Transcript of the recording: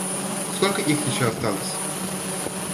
Сколько их еще осталось?